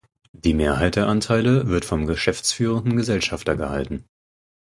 Die Mehrheit der Anteile wird vom geschäftsführenden Gesellschafter gehalten.